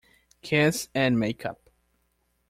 Kiss and make up.